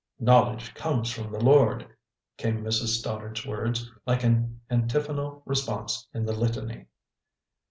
"Knowledge comes from the Lord," came Mrs. Stoddard's words, like an antiphonal response in the litany.